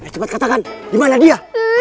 cepat katakan dimana dia